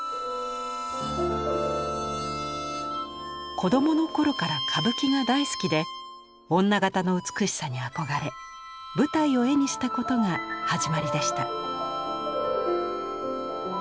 子供の頃から歌舞伎が大好きで女形の美しさに憧れ舞台を絵にしたことが始まりでした。